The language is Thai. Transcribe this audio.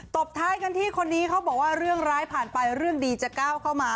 ตบท้ายกันที่คนนี้เขาบอกว่าเรื่องร้ายผ่านไปเรื่องดีจะก้าวเข้ามา